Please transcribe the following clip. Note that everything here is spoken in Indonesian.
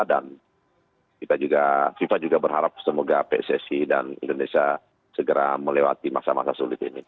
dan viva juga berharap semoga pssi dan indonesia segera melewati masa masa sulit ini